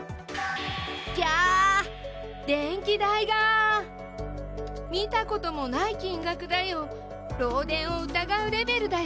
ぎゃー電気代があああ見たこともない金額だよ漏電を疑うレベルだよ。